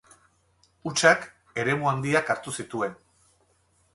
Hutsak eremu handiak hartu zituen.